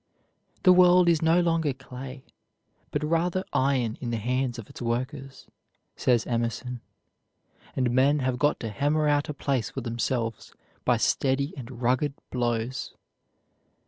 "The world is no longer clay, but rather iron in the hands of its workers," says Emerson, "and men have got to hammer out a place for themselves by steady and rugged blows."